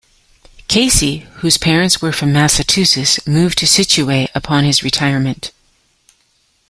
Casey, whose parents were from Massachusetts, moved to Scituate upon his retirement.